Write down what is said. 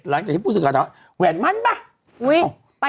หลังจากที่พูดสิก่อนแหวนมันป่ะ